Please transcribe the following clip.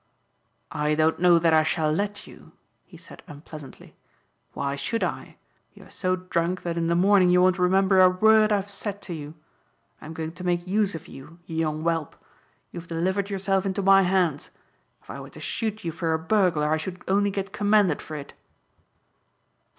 "I don't know that I shall let you," he said unpleasantly. "Why should I? You are so drunk that in the morning you won't remember a word I've said to you. I'm going to make use of you, you young whelp. You've delivered yourself into my hands. If I were to shoot you for a burglar I should only get commended for it."